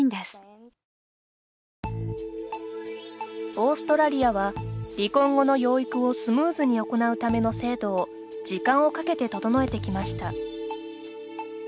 オーストラリアは離婚後の養育をスムーズに行うための制度を時間をかけて整えてきました。